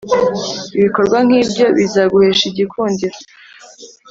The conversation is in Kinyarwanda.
ibikorwa nk’ibyo bizaguhesha igikundiro